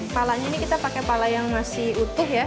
palanya ini kita pakai pala yang masih utuh ya